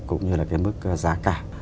cũng như là cái mức giá cả